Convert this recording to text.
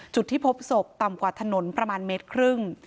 จุดที่พบศพต่ำกว่าถนนประมาณ๑๕เมตร